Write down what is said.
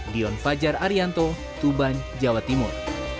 dion fajar arianto tuban jawa timur